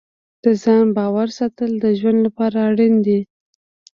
د ځان باور ساتل د ژوند لپاره اړین دي.